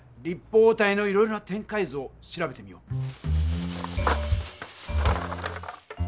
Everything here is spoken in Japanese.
立方体のいろいろな展開図を調べてみよう。